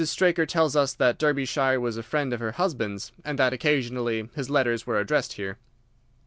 Straker tells us that Derbyshire was a friend of her husband's and that occasionally his letters were addressed here."